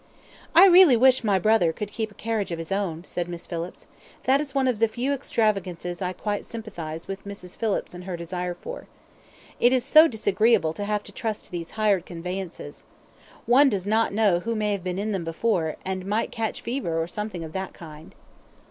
"I really wish my brother could keep a carriage of his own," said Miss Phillips. "That is one of the few extravagances I quite sympathize with Mrs. Phillips in her desire for. It is so disagreeable to have to trust to these hired conveyances. One does not know who may have been in them before, and might catch fever or something of that kind."